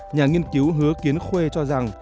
nhà nghiên cứu hứa kiến khuê cho rằng